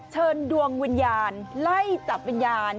เชิญดวงวิญญาณไล่จับวิญญาณ